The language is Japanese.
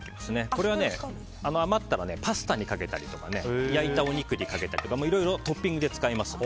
これは余ったらパスタにかけたり焼いたお肉にかけたりとかいろいろトッピングで使えます。